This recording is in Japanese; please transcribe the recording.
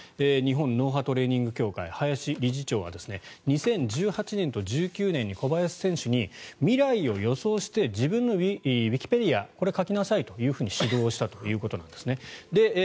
日本脳波トレーニング協会林理事長は２０１８年と１９年に小林選手に未来を予想して自分のウィキペディアこれを書きなさいと指導したということです。